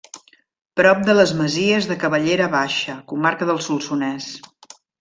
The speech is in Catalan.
Prop de les masies de Cavallera Baixa, Comarca del Solsonès.